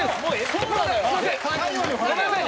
ごめんなさい。